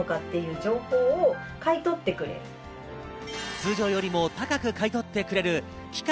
通常よりも高く買い取ってくれる期間